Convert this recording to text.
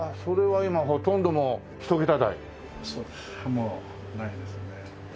もうないですね。